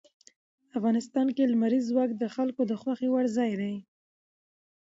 افغانستان کې لمریز ځواک د خلکو د خوښې وړ ځای دی.